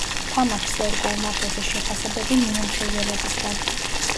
თამაშს ერგო უმაღლესი შეფასებები მიმოხილველებისგან.